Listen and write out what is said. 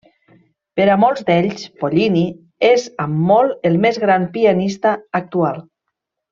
Per a molts d'ells, Pollini és amb molt el més gran pianista actual.